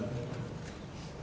kalau nggak cepet bisa setahun